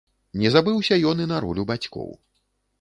Не забыўся ён і на ролю бацькоў.